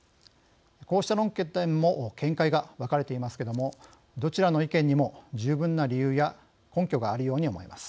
こうした論点も見解が分かれていますけれどもどちらの意見にも十分な理由や根拠があるように思えます。